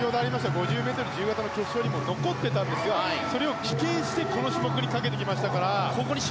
５０ｍ自由形の決勝にも残っていたんですがそれを棄権してここに絞ってきました。